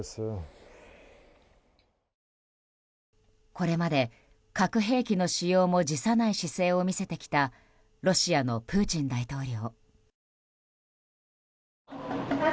これまで核兵器の使用も辞さない姿勢を見せてきたロシアのプーチン大統領。